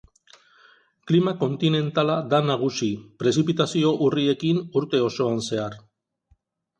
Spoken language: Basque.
Klima kontinentala da nagusi prezipitazio urriekin urte osoan zehar.